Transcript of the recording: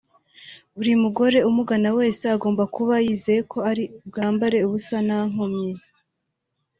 Buri mugore umugana wese agomba kuba yizeye ko ari bwambare ubusa nta nkomyi